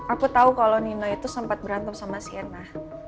aku tahu kalau nino itu sempat berantem sama sienna